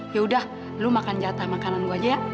ya udah lu makan jatah makanan lo aja ya